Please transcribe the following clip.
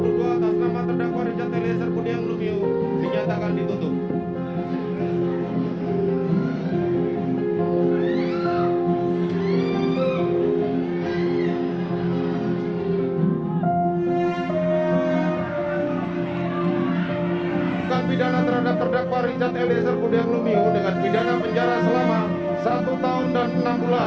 bukan pidana terhadap terdakwa rizal elie sergudian lumiu dengan pidana penjara selama satu tahun dan enam bulan